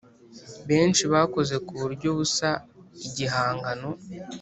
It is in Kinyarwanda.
benshi bakoze ku buryo busa igihangano